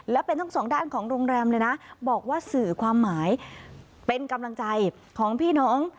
และเป็นทั้งสองด้านของโรงแรมเลยนะบอกว่าสื่อความหมายเป็นกำลังใจของพี่น้อง